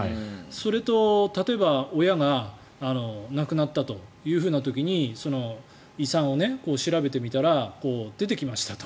それと、例えば親が亡くなったという時に遺産を調べてみたら出てきましたと。